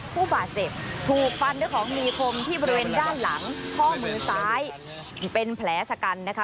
ผู้บาดเจ็บถูกฟันด้วยของมีคมที่บริเวณด้านหลังข้อมือซ้ายเป็นแผลชะกันนะคะ